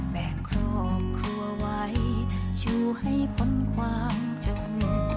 แบ่งครอบครัวไว้ชูให้พ้นความจน